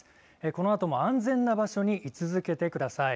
このあとも安全な場所に居続けてください。